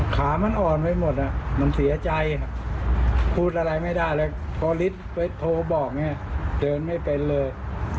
ขามันอ่อนไปหมดมันเสียใจพูดอะไรไม่ได้เลยพอฤทธิ์ไปโทรบอกเนี่ยเดินไม่เป็นเลย